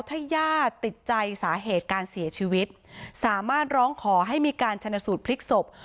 ถ้าญาติติดใจสาเหตุการเสียชีวิตสามารถร้องขอให้มีการชนสูตรพลิกศพ